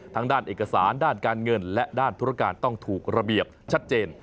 ด้านเอกสารด้านการเงินและด้านธุรการต้องถูกระเบียบชัดเจน